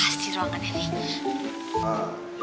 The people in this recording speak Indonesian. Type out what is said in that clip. pasti ruangan ini